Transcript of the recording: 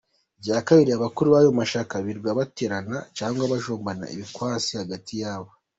Icya kabiri abakuru bayo mashyaka birirwa baterana cyangwa bajombana ibikwasi hagati yabo.